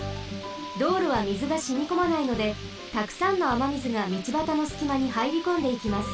道路はみずがしみこまないのでたくさんのあまみずが道ばたのすきまにはいりこんでいきます。